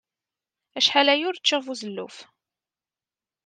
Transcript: Acḥal aya ur ččiɣ buzelluf.